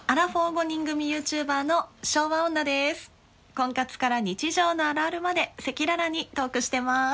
婚活から日常のあるあるまで赤裸々にトークしてます。